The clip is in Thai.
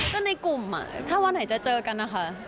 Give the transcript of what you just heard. ก็ในกลุ่มถ้าวันไหนจะเจอกันนะคะ